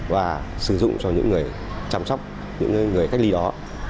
và sử dụng cho những người chăm sóc những người cách ly đó